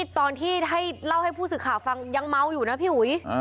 ตอนที่ให้เล่าให้ผู้สื่อข่าวฟังยังเมาอยู่นะพี่อุ๋ย